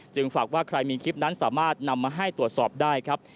ฝากว่าใครมีคลิปนั้นสามารถนำมาให้ตรวจสอบได้ครับ